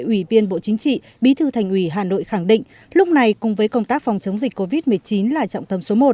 ủy viên bộ chính trị bí thư thành ủy hà nội khẳng định lúc này cùng với công tác phòng chống dịch covid một mươi chín là trọng tâm số một